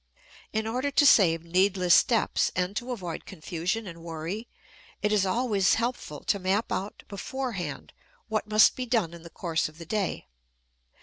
In order to save needless steps and to avoid confusion and worry, it is always helpful to map out beforehand what must be done in the course of the day.